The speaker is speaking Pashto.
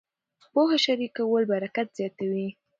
پوهه شریکول برکت زیاتوي.